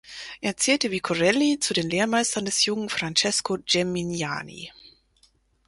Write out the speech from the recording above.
Er zählte wie Corelli zu den Lehrmeistern des jungen Francesco Geminiani.